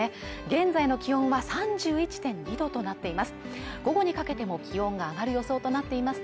現在の気温は３１．２度となっています